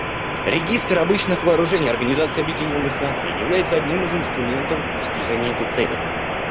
Регистр обычных вооружений Организации Объединенных Наций является одним из инструментов достижения этой цели.